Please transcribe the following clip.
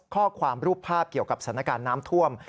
ข้อความรูปภาพเกี่ยวกับสถานการณ์น้ำท่วม